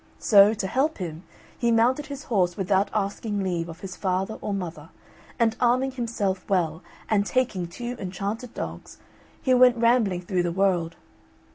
So, to help him, he mounted his horse without asking leave of his father or mother; and arming himself well and taking two enchanted dogs, he went rambling through the world.